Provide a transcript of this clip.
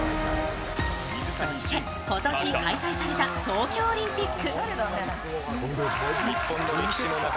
そして今年開催された東京オリンピック。